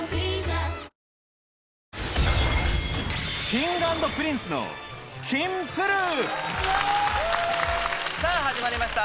Ｋｉｎｇ＆Ｐｒｉｎｃｅのさぁ始まりました